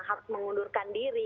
harus mengundurkan diri